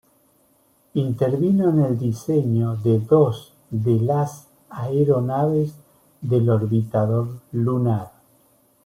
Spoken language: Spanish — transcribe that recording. Intervino en el diseño de dos de las aeronaves del Orbitador Lunar.